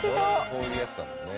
こういうやつだもんね。